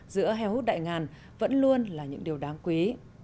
giữa heo hút đại ngàn vẫn luôn là những điều đáng quý